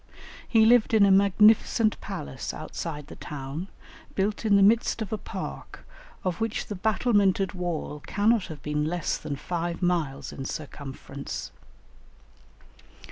He lived in a magnificent palace outside the town, built in the midst of a park, of which the battlemented wall cannot have been less than five miles in circumference.